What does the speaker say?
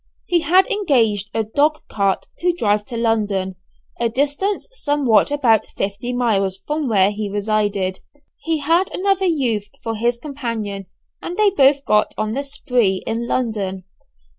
He had engaged a dog cart to drive to London, a distance somewhere about fifty miles from where he resided. He had another youth for his companion, and they both got on the "spree" in London.